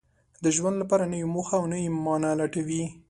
د ژوند لپاره نوې موخه او نوې مانا لټوي.